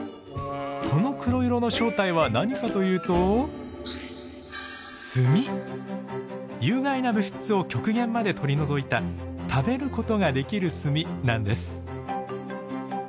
この黒色の正体は何かというと有害な物質を極限まで取り除いた食べることができる炭なんです。